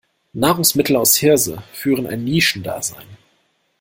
Nahrungsmittel aus Hirse führen ein Nischendasein.